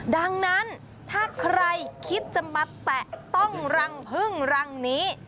ดังนั้นถ้าใครคิดจะมาแตะต้องรังพึ่งรังนี้